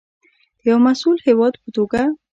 د یو مسوول هیواد په توګه.